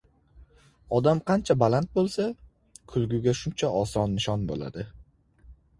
Odam qancha baland boʻlsa, kulgiga shuncha oson nishon boʻladi;